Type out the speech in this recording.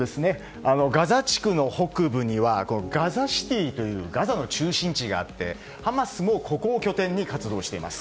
ガザ地区の北部にはガザシティというガザの中心地があってハマスもここを拠点に活動しています。